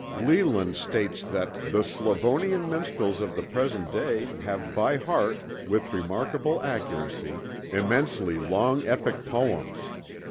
Leland states that, "the Slavonian minstrels of the present day have by heart with remarkable accuracy immensely long epic poems.